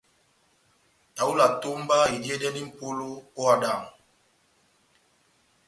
Tahuli ya etomba ediyedɛndi mʼpolo ó ehádo yamu.